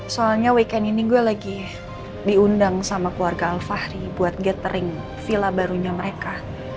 soalnya weekend ini gue lagi diundang sama keluarga alfahri buat gathering villa barunya mereka